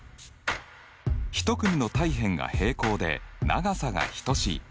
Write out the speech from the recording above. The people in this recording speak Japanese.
１組の対辺が平行で長さが等しい。